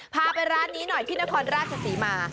พาไปร้านนี้หน่อยที่นครราชศรีมา